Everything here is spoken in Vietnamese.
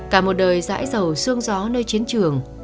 cả một đời dãi dầu xương gió nơi chiến trường